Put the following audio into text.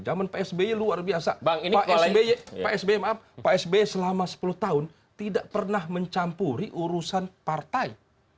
zaman pak sby luar biasa pak sbm pak sby selama sepuluh tahun tidak pernah mencampuri urusan partai